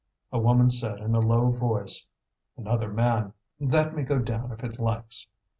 A woman said in a low voice: "Another man; that may go down if it likes!"